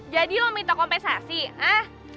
jadi lo minta kompensasi ha